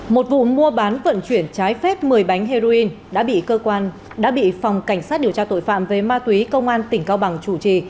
một vụ mua bán vận chuyển trái phép một mươi bánh heroin đã bị phòng cảnh sát điều tra tội phạm về ma túy công an tỉnh cao bằng chủ trì